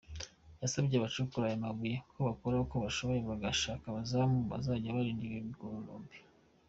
Yasabye abacukura aya mabuye ko bakora uko bashoboye bagashaka abazamu bazajya barinda ibi birombe.